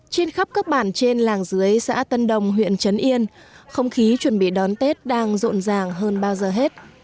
trên khắp các bản trên làng dưới xã tân đồng huyện trấn yên không khí chuẩn bị đón tết đang rộn ràng hơn bao giờ hết